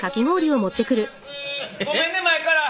ごめんね前から。